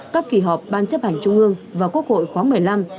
các kỳ họp ban chấp hành trung ương và quốc hội khóa một mươi năm